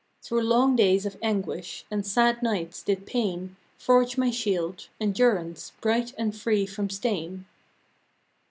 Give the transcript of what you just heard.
Through long days of anguish, And sad nights, did Pain Forge my shield, Endurance, Bright and free from stain.